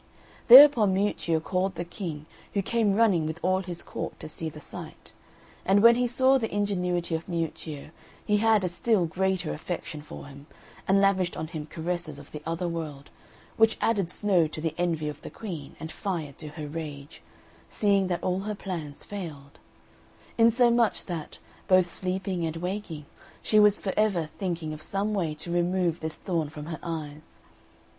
Thereupon Miuccio called the King, who came running with all his court to see the sight; and when he saw the ingenuity of Miuccio he had a still greater affection for him, and lavished on him caresses of the other world, which added snow to the envy of the Queen and fire to her rage, seeing that all her plans failed; insomuch that, both sleeping and waking, she was for ever thinking of some way to remove this thorn from her eyes.